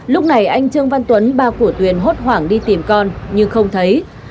lúc này anh trương văn tuấn ba của tuyền hốt hoảng đi tìm con nhưng không thấy